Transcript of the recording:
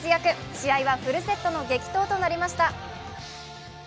試合はフルセットの激闘となりました。